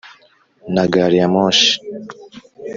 na gare-ya-moshi